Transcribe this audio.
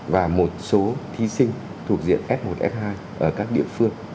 và một số thí sinh thuộc diện f một f hai ở các địa phương